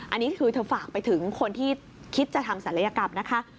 อันนี้คือเธอฝากไปถึงคนที่คิดจะทำศัลยกรรมนะคะ